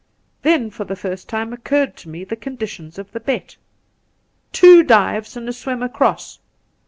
Then for the first time occurred to me the con ditions of the bet :' Two dives and a swim across.'